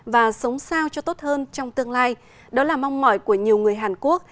và sống sao cho tốt hơn trong tương lai đó là mong mỏi của nhiều người hàn quốc